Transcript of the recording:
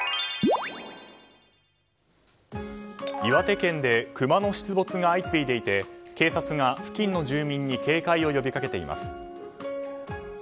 岩手県でクマの出没が相次いでいて警察が付近の住民に警戒を呼びかけています。